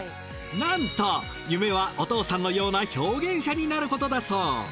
なんと夢はお父さんのような表現者になることだそう。